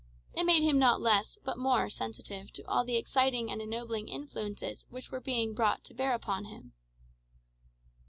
It made him not less, but more, sensitive to all the exciting and ennobling influences which were being brought to bear upon him.